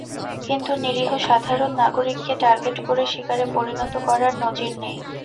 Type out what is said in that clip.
কিন্তু নিরীহ সাধারণ নাগরিককে টার্গেট করে শিকারে পরিণত করার নজির নেই।